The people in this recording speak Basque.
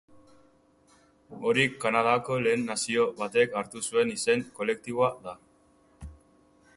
Hori Kanadako Lehen Nazio batek hartu zuen izen kolektiboa da.